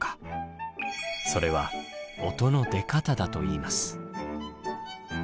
それは音の出方だといいます。